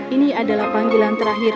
ini adalah panggilan terakhir